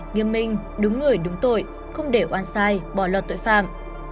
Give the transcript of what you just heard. nghiêm minh đúng người đúng tội không để oan sai bỏ lọt tội phạm